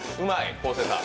昴生さん。